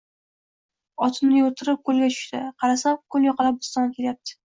Otini yoʼrttirib, koʼlga tushdi. Qarasam, koʼl yoqalab biz tomon kelyapti!